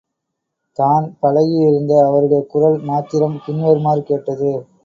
தான் பழகி யிருந்த அவருடைய குரல் மாத்திரம் பின்வருமாறு கேட்டது.